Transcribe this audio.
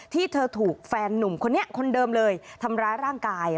ที่เธอถูกแฟนนุ่มคนนี้คนเดิมเลยทำร้ายร่างกาย